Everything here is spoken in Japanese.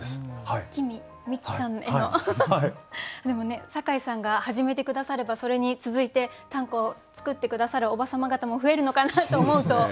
でもね酒井さんが始めて下さればそれに続いて短歌を作って下さるおば様方も増えるのかなと思うと。